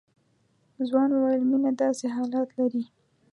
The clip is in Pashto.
ځوان وويل مينه داسې حالات لري.